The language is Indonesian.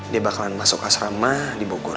dia bakalan masuk asrama di bogor